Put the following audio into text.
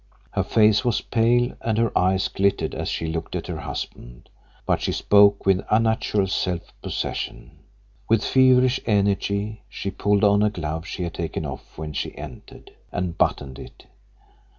Her face was pale, and her eyes glittered as she looked at her husband, but she spoke with unnatural self possession. With feverish energy she pulled on a glove she had taken off when she entered, and buttoned it.